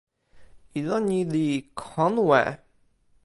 ilo ni li konwe.